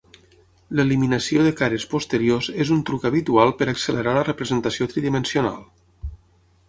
L'eliminació de cares posteriors és un truc habitual per accelerar la representació tridimensional.